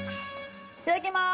いただきまーす！